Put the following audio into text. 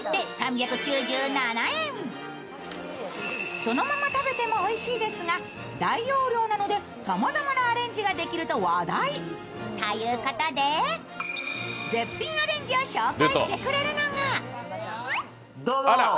そのまま食べてもおいしいですが、大容量なのでさまざまなアレンジができると話題。ということでいい音ですね。